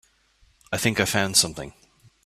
I think I found something.